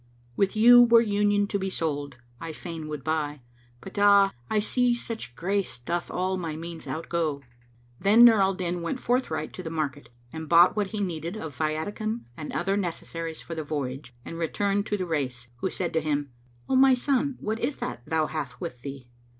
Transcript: With you were Union to be sold, I fain would buy; * But ah, I see such grace doth all my means outgo!" Then Nur al Din went forthright to the market and bought what he needed of viaticum and other necessaries for the voyage and returned to the Rais, who said to him, "O my son, what is that thou hast with thee?"